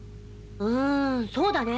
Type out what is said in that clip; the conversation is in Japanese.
うんそうだねえ。